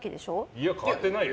いや、変わってないよ。